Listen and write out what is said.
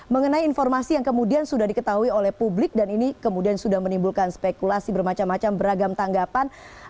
mengenai informasi yang kemudian sudah diketahui oleh publik dan ini kemudian sudah menimbulkan spekulasi bermacam macam beragam tanggapan